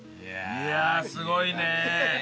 いやあすごいねえ。